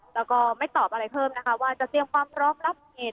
แล้วก็ไม่ตอบอะไรเพิ่มนะคะว่าจะเตรียมความพร้อมรับเหตุ